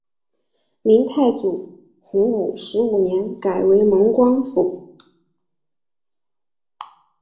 明太祖洪武十五年改为蒙光府。